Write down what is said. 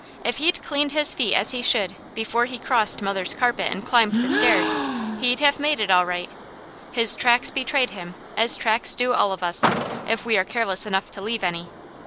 If he'd cleaned his feet as he should, before he crossed mother's carpet and climbed the stairs, he'd have made it all right. 'His tracks betrayed him,' as tracks do all of us, if we are careless enough to leave any.